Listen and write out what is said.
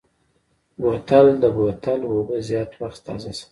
بوتل د بوتل اوبه زیات وخت تازه ساتي.